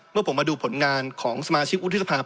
เมื่อผมมาดูผลงานของสมาชิกวุฒิสภาพ